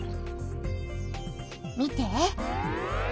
見て。